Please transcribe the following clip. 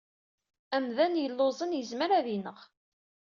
Amdan yelluẓen yezmer ad yenɣ.